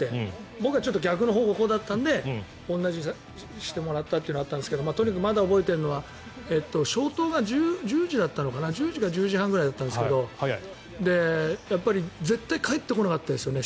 僕は逆の方向だったので同じにしてもらったというのがあるんですがとにかくまだ覚えているのは消灯が１０時だったのかな１０時か１０時半ぐらいだったんですが絶対帰ってこなかったですよね